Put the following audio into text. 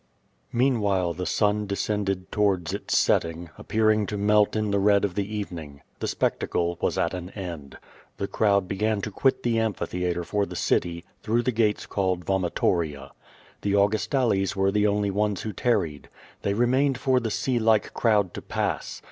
Meanwhile the sun descended towards its setting, appearing to melt in the red of the evening. The spectacle was at an end. The crowd began to quit the amphitheatre for the city, through the gates called Vomitoria. The Augustales were the only ones who tarried. They remained for the sea like crowd to pass.